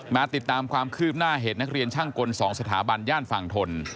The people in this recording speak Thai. มาติดตามความคืบหน้าเหตุนักเรียนช่างกล๒สถาบันย่านฝั่งทน